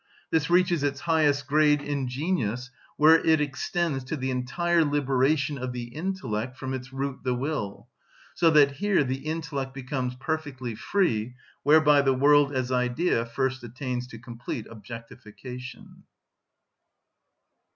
This reaches its highest grade in genius, where it extends to the entire liberation of the intellect from its root the will, so that here the intellect becomes perfectly free, whereby the world as idea first attains to complete objectification.